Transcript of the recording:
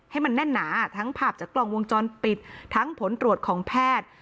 ให้มันแน่นหนาทั้งภาพจากกล้องวงจรปิดทั้งผลตรวจของแพทย์